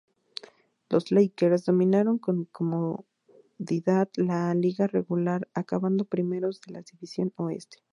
Los Lakers dominaron con comodidad la liga regular, acabando primeros de la División Oeste.